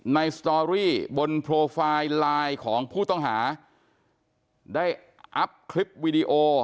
สตอรี่บนโปรไฟล์ไลน์ของผู้ต้องหาได้อัพคลิปวิดีโอ